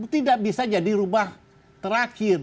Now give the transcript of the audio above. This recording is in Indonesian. tidak bisa jadi rubah terakhir